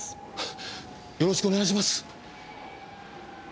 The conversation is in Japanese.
よろしくお願いします！